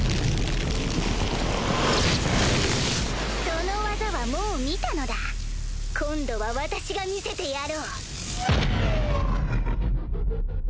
その技はもう見たのだ今度は私が見せてやろう。